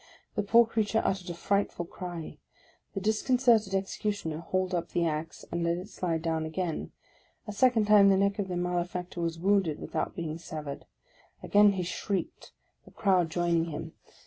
The poor creature uttered a frightful cry. The disconcerted Executioner hauled up the axe, and let it slide down again. A second time, the neck of the male factor was wounded, without being severed. Again he shrieked, the crowd joining him.